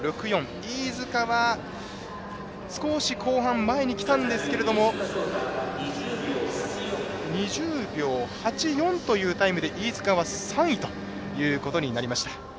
飯塚は少し後半前にきたんですけれども２０秒８４というタイムで飯塚は３位となりました。